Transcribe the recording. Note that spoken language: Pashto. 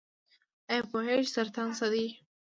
ایا پوهیږئ چې سرطان څه دی؟